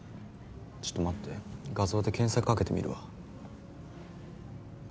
ちょっと待って画像で検索掛けてみるわ。